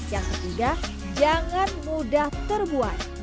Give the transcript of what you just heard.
yang ketiga jangan mudah terbuat